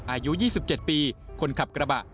อายุ๒๗ปีคนขับกระบะ